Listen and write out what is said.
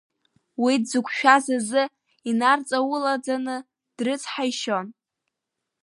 Уи дзықәшәаз азы инарҵаулаӡаны дрыцҳаишьон.